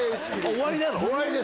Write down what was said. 終わりなの？